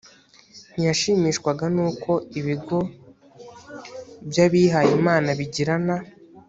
ntiyashimishwaga n uko ibigo by abihayimana bigirana